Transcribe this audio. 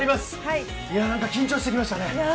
いや、何か緊張してきましたね。